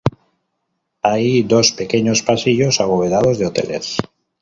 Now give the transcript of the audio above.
Hay dos pequeños pasillos abovedados de hoteles.